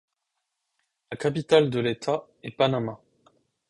La capitale de l'État est Panama.